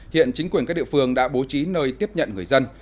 hiện chính quyền các địa phương đã bố trí nơi tiếp nhận người dân